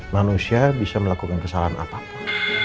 manusia bisa melakukan kesalahan apapun